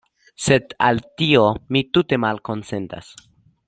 Sed al tio, mi tute malkonsentas.